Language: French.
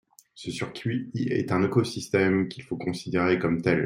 Ce circuit est un écosystème qu’il faut considérer comme tel.